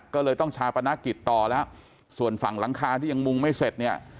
ก็เลยต้องชาปนกิจต่อแล้วส่วนฝั่งหลังคาที่ยังมุงไม่เสร็จเนี่ย